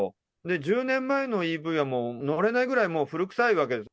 １０年前のＥＶはもう乗れないぐらい、もう古臭いわけです。